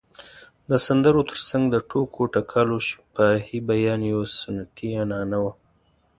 د سندرو تر څنګ د ټوکو ټکالو شفاهي بیان یوه سنتي عنعنه وه.